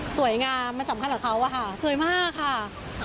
สวยงามมันสำคัญเหรอเขาสวยมากค่ะ